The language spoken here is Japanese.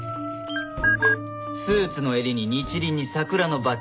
スーツの襟に日輪に桜のバッジが。